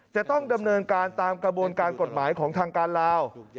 จะต้องดำเนินการตามกระบวนการกฎหมายของทางการลาว